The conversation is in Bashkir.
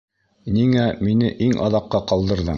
Ниңә мине иң аҙаҡҡа ҡалдырҙың?